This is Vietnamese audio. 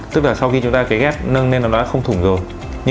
tức là sau khi chúng ta cấy ghép nâng lên nó đã không thủng rồi